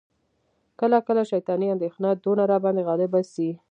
کله کله شیطاني اندیښنه دونه را باندي غالبه سي،